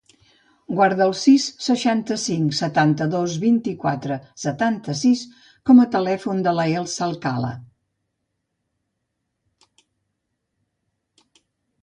Guarda el sis, seixanta-cinc, setanta-dos, vuitanta-quatre, setanta-sis com a telèfon de l'Elsa Alcala.